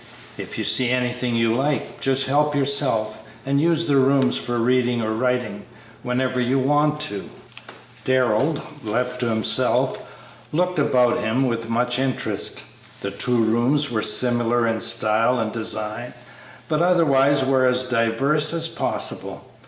If you see anything you like, just help yourself, and use the rooms for reading or writing whenever you want to." Darrell, left to himself, looked about him with much interest. The two rooms were similar in style and design, but otherwise were as diverse as possible.